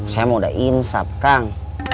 saya mau udah insaf kang